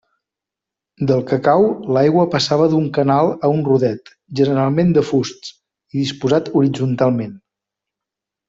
Del cacau l'aigua passava d'un canal a un rodet, generalment de fusts i disposat horitzontalment.